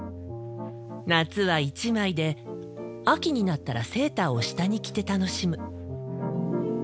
夏は一枚で秋になったらセーターを下に着て楽しむ。